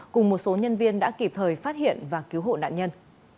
cùng một số nhân viên đã kịp thời phát hiện và cứu hộ nạn nhân